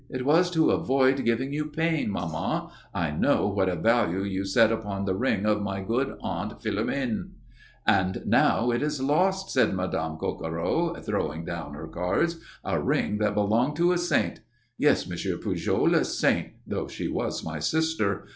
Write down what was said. "It was to avoid giving you pain, maman. I know what a value you set upon the ring of my good Aunt Philomène." "And now it is lost," said Madame Coquereau, throwing down her cards. "A ring that belonged to a saint. Yes, Monsieur Pujol, a saint, though she was my sister.